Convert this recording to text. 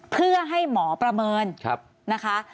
เพื่อให้หมอประเมินนะคะ